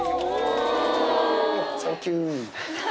センキュー。